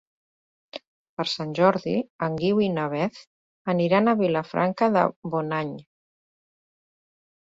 Per Sant Jordi en Guiu i na Beth aniran a Vilafranca de Bonany.